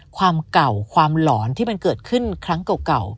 ความเก่าความหลอนที่มันเกิดขึ้นครั้งเก่า